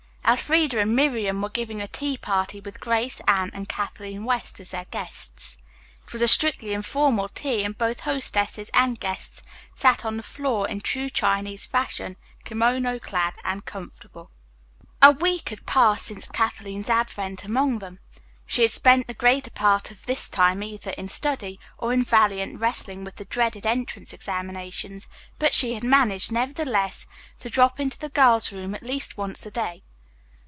Elfreda and Miriam were giving a tea party with Grace, Anne and Kathleen West as their guests. It was a strictly informal tea and both hostesses and guests sat on the floor in true Chinese fashion, kimono clad and comfortable. A week had passed since Kathleen's advent among them. She had spent the greater part of that time either in study or in valiant wrestling with the dreaded entrance examinations, but she had managed, nevertheless, to drop into the girls' rooms at least once a day.